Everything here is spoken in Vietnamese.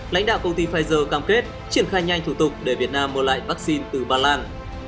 lãnh đạo công ty pfizer cam kết triển khai nhanh thủ tục để việt nam mua lại vaccine từ ba lan